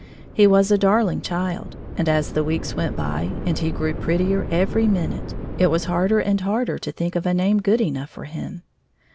He was a darling child, and as the weeks went by, and he grew prettier every minute, it was harder and harder to think of a name good enough for him.